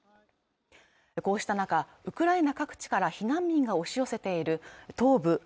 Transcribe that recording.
こうした中ウクライナ各地から避難民が押し寄せている東部